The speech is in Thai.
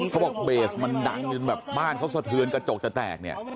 เบสมันดังจนแบบบ้านเขาสะเทือนกระจกจะแตกเนี่ย